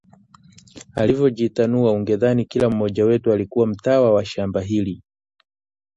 alivyojitanua ungedhani kila mmoja wetu alikuwa mtawa wa shamba hili